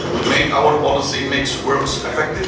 polisi kita membuatnya berfungsi dengan efektif